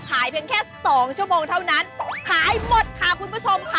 เพียงแค่สองชั่วโมงเท่านั้นขายหมดค่ะคุณผู้ชมค่ะ